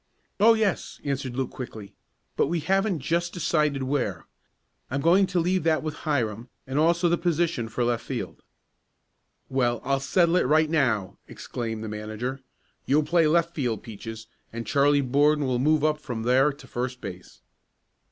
"Oh, yes," answered Luke quickly. "But we haven't just decided where. I'm going to leave that with Hiram, and also the position for left field." "Well, I'll settle it right now!" exclaimed the manager. "You'll play left field, Peaches, and Charlie Borden will move up from there to first base."